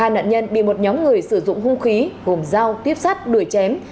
hai nạn nhân bị một nhóm người sử dụng hung khí gồm dao tiếp sát đuổi chém